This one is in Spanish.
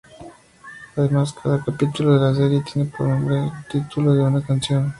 Además, cada capítulo de la serie tiene por nombre el título de una canción.